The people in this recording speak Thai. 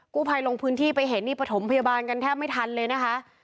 กู้ภัยลงพื้นที่ไปเห็นนี่ประถมพยาบาลกันแทบไม่ทันเลยนะคะ